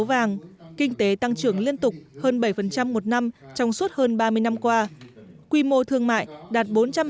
vàng kinh tế tăng trưởng liên tục hơn bảy một năm trong suốt hơn ba mươi năm qua quy mô thương mại đạt